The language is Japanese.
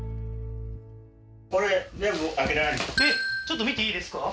ちょっと見ていいですか？